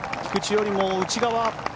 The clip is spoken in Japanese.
菊地よりも内側。